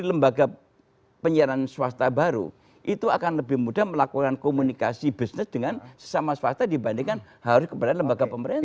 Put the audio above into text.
lembaga penyiaran swasta baru itu akan lebih mudah melakukan komunikasi bisnis dengan sesama swasta dibandingkan harus kepada lembaga pemerintah